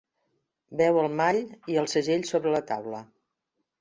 Veu el mall i el segell sobre la taula.